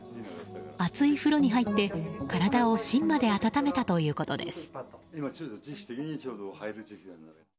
熱い風呂に入って体を芯まで温めたということです。